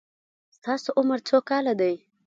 ستاسو عمر څو کاله دی؟